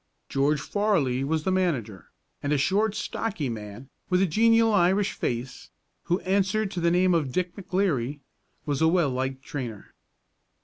George Farley was the manager, and a short stocky man, with a genial Irish face, who answered to the name of Dick McLeary, was the well liked trainer.